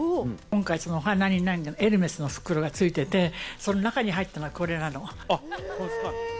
今回、そのお花にエルメスの袋が付いてて、その中に入ってたのがこれなの。